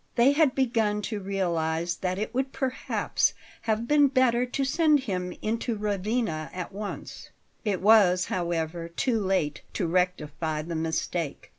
They had begun to realize that it would perhaps have been better to send him into Ravenna at once. It was, however, too late to rectify the mistake.